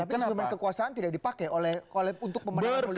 tapi semen kekuasaan tidak dipakai oleh untuk pemenang pemenang